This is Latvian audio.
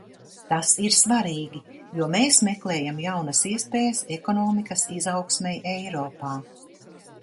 Tas ir svarīgi, jo mēs meklējam jaunas iespējas ekonomikas izaugsmei Eiropā.